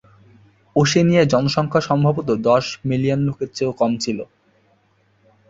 ওশেনিয়ার জনসংখ্যা সম্ভবত দশ মিলিয়ন লোকের চেয়ে কম ছিল।